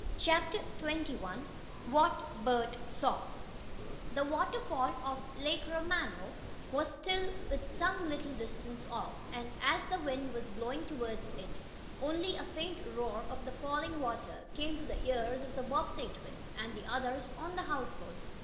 CHAPTER XXI WHAT BERT SAW The waterfall of Lake Romano was still some little distance off, and, as the wind was blowing toward it, only a faint roar of the falling water came to the ears of the Bobbsey twins, and the others on the houseboat.